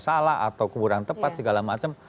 salah atau kurang tepat segala macam